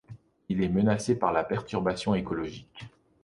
Il est menacé par la Perturbation écologique.